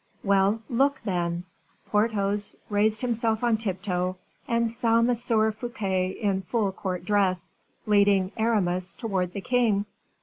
"Well, look, then." Porthos raised himself on tiptoe, and saw M. Fouquet in full court dress, leading Aramis towards the king.